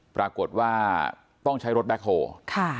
ปรากฏว่าต้องใช้รถแบ็คโฮลค่ะ